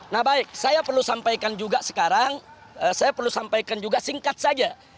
nah baik saya perlu sampaikan juga sekarang saya perlu sampaikan juga singkat saja